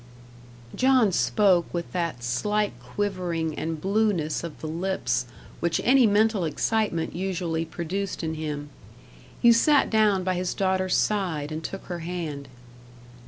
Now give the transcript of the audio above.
John spoke with that slight quivering and blueness of the lips which any mental excitement usually produced in him. He sat down by his daughter's side and took her hand.